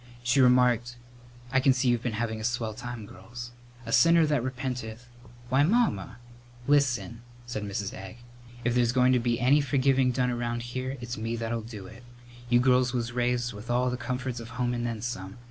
She remarked, "I can see you've been having a swell time, girls. A sinner that repenteth " "Why, Mamma!" "Listen," said Mrs. Egg; "if there's going to be any forgiving done around here, it's me that'll do it. You girls was raised with all the comforts of home and then some.